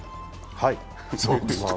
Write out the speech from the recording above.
はい。